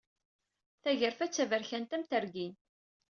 Tagarfa d taberkant am tergin.